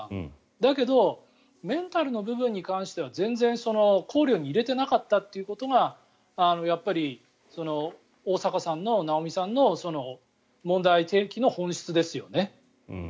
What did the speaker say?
だけど、メンタルの部分に関しては全然、考慮に入れていなかったということが大坂なおみさんの問題提起の本質ですよね。